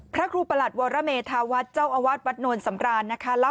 พระครูประหลัดวรเมธาวัฒน์เจ้าอาวาสวัดนวลสำรานนะคะ